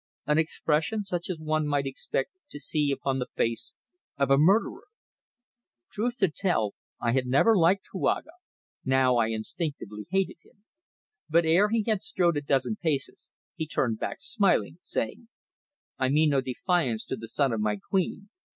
An expression such as one might expect to see upon the face of a murderer. Truth to tell, I had never liked Kouaga; now I instinctively hated him. But ere he had strode a dozen paces he turned back smiling, saying: "I mean no defiance to the Son of my Queen.